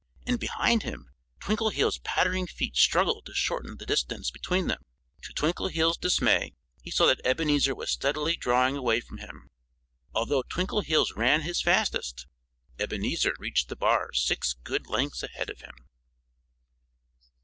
And behind him Twinkleheels' pattering feet struggled to shorten the distance between them. To Twinkleheels' dismay he saw that Ebenezer was steadily drawing away from him. Although Twinkleheels ran his fastest, Ebenezer reached the bars six good lengths ahead of him.